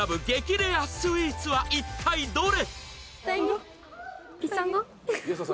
レアスイーツは一体どれ？